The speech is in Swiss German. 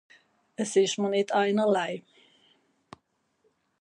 Es ìsch mìr nìtt einerlei.